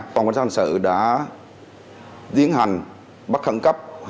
phòng cảnh sát hình sự đã diễn hành bắt khẩn cấp